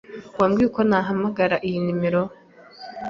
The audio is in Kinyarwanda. Wambwira uko nahamagara iyi nimero?